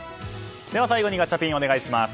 では最後にガチャピンお願いします。